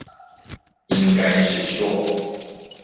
應該是說